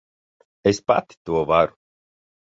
Es pati to varu.